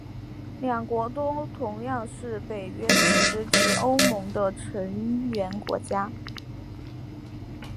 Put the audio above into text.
两国都同样是北约组织及欧盟的成员国家。